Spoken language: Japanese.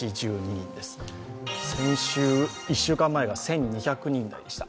先週１週間前が１２００人台でした。